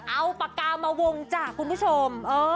เอาปากกามาวงจ้ะคุณผู้ชม